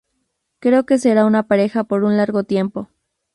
Creo que será una pareja por un largo tiempo".